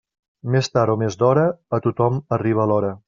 Més tard o més d'hora, a tothom arriba l'hora.